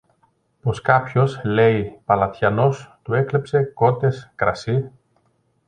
πως κάποιος, λέει, παλατιανός του έκλεψε κότες, κρασί